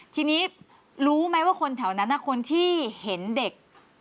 ทีนี้รู้ไหมว่าคนแถวนั้นคนที่เห็นเด็ก